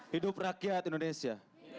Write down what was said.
hidup rakyat indonesia